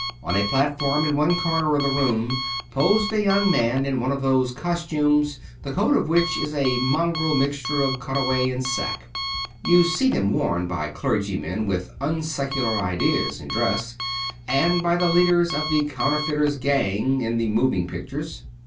On a platform in one corner of the room posed a young man in one of those costumes the coat of which is a mongrel mixture of cutaway and sack. You see them worn by clergymen with unsecular ideas in dress, and by the leader of the counterfeiters' gang in the moving pictures.